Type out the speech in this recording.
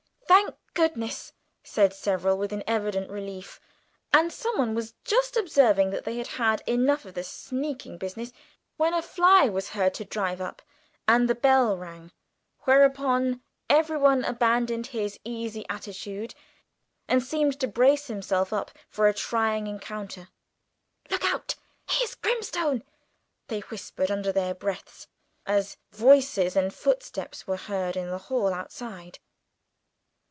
"Thank goodness!" said several, with an evident relief, and some one was just observing that they had had enough of the sneaking business, when a fly was heard to drive up, and the bell rang, whereupon everyone abandoned his easy attitude, and seemed to brace himself up for a trying encounter. "Look out here's Grimstone!" they whispered under their breaths, as voices and footsteps were heard in the hall outside.